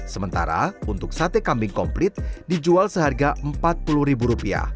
sementara untuk sate kambing komplit dijual seharga rp empat puluh